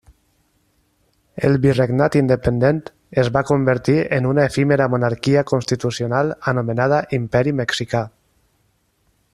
El virregnat independent es va convertir en una efímera monarquia constitucional anomenada Imperi Mexicà.